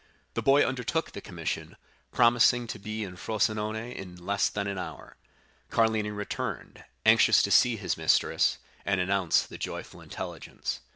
The boy undertook the commission, promising to be in Frosinone in less than an hour. Carlini returned, anxious to see his mistress, and announce the joyful intelligence.